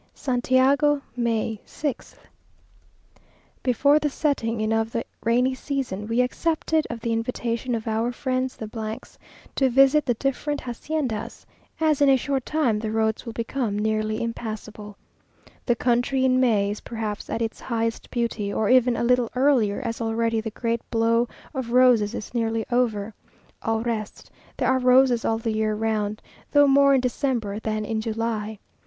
SANTIAGO, May 6th. Before the setting in of the rainy season, we accepted of the invitation of our friends the s, to visit the different haciendas, as in a short time the roads will become nearly impassable. The country in May is perhaps at its highest beauty, or even a little earlier, as already the great blow of roses is nearly over; au reste there are roses all the year round, though more in December than in July.